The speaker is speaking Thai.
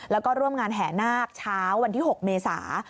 แล้วก็ร่วมงานแห่นาคเช้าวันที่๖เมษา